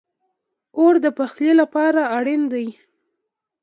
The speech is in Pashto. اور د پخلی لپاره اړین دی